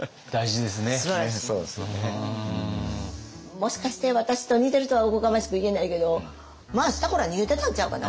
もしかして私と似てるとはおこがましく言えないけどまあスタコラ逃げてたんちゃうかな。